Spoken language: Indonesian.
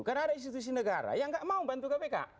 karena ada institusi negara yang nggak mau bantu kpk